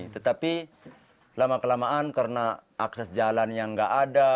tetapi lama kelamaan karena akses jalan yang tidak ada